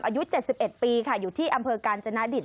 อายุ๗๑ปีค่ะอยู่ที่อำเภอกาญจนาดิต